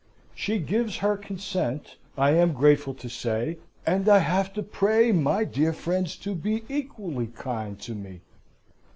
She gives her consent, I am grateful to say, and I have to pray my dear friends to be equally kind to me."